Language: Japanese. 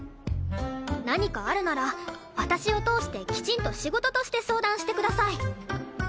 何かあるなら私を通してきちんと仕事として相談してください。